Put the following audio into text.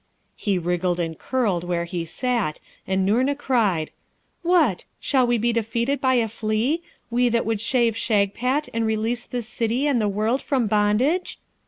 He wriggled and curled where he sat, and Noorna cried, 'What! shall we be defeated by a flea, we that would shave Shagpat, and release this city and the world from bondage?'